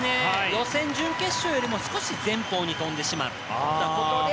予選、準決勝よりも少し前方に飛んでしまったことで